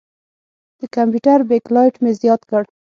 د کمپیوټر بیک لایټ مې زیات کړ.